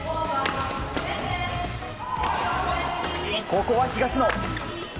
ここは東野。